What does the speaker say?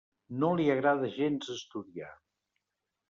No li agrada gens estudiar.